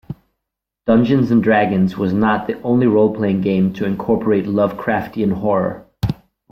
"Dungeons and Dragons" was not the only role-playing game to incorporate Lovecraftian horror.